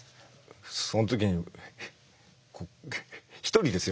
その時にこう一人ですよ